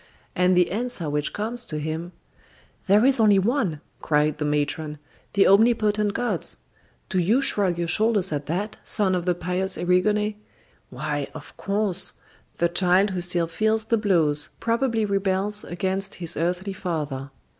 And the answer which comes to him " "There is only one," cried the matron; "the omnipotent gods. Do you shrug your shoulders at that, son of the pious Erigone? Why, of course! The child who still feels the blows probably rebels against his earthly father.